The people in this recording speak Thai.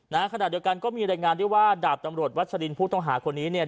ขณะเดียวกันก็มีรายงานด้วยว่าดาบตำรวจวัชลินผู้ต้องหาคนนี้เนี่ย